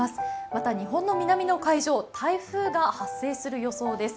また日本の南の海上、台風が発生する予定です。